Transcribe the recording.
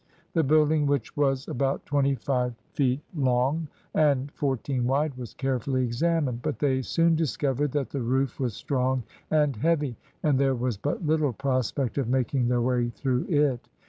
The building, which was about twenty five feet long and fourteen wide, was carefully examined, but they soon discovered that the roof was strong and heavy, and there was but little prospect of making their way through it.